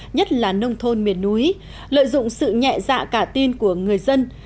nhất là nông thôn miền núi lợi dụng sự nhẹ dạ cả tin của người dân